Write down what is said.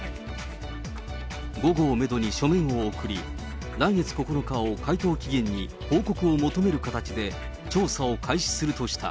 午後をメドに書面を送り、来月９日を回答期限に報告を求める形で、調査を開始するとした。